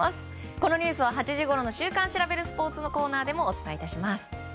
このニュースは８時ごろの週刊シラベルスポーツ！のコーナーでもお伝えします。